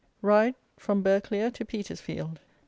RIDE, FROM BURGHCLERE TO PETERSFIELD.